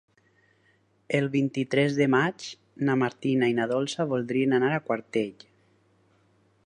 El vint-i-tres de maig na Martina i na Dolça voldrien anar a Quartell.